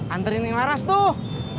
anterin neng laras tuh